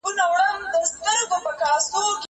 زه له سهاره انځور ګورم؟!